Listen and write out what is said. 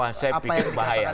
wah saya pikir bahaya